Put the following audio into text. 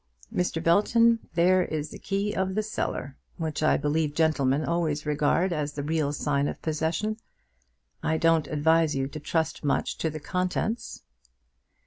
Mr. Belton, there is the key of the cellar, which I believe gentlemen always regard as the real sign of possession. I don't advise you to trust much to the contents."